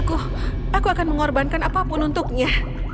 aku aku akan mengorbankan apapun untuknya